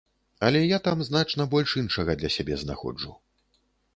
Але я там значна больш іншага для сябе знаходжу.